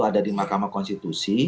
ada di mahkamah konstitusi